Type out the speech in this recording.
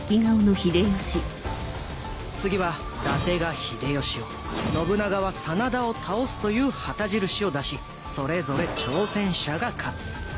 次は伊達が秀吉を信長は「真田を倒す」という旗印を出しそれぞれ挑戦者が勝つ。